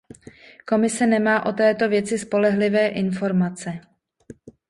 Komise nemá o této věci spolehlivé informace.